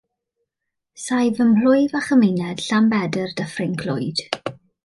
Saif ym mhlwyf a chymuned Llanbedr Dyffryn Clwyd.